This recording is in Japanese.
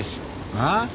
ああ？